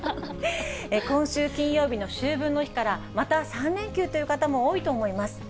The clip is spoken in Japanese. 今週金曜日の秋分の日から、また３連休という方も多いと思います。